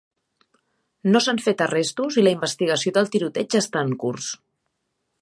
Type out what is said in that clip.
No s'han fet arrestos i la investigació del tiroteig està en curs.